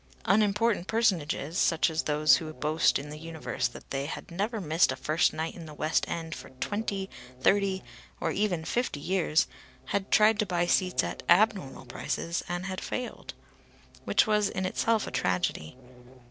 Unimportant personages, such as those who boast in the universe that they had never missed a first night in the West End for twenty, thirty, or even fifty years, had tried to buy seats at abnormal prices, and had failed; which was in itself a tragedy.